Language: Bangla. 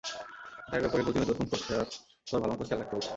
গাড়ির ব্যাপারে প্রতিনিয়ত ফোন করছে, আর তোর ভালোমতো খেয়াল রাখতে বলছে।